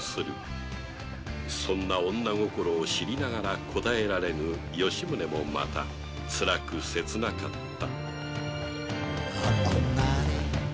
そんな女心を知りながら応えられぬ吉宗もまたつらく切なかった